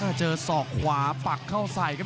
เจอศอกขวาปักเข้าใส่ครับ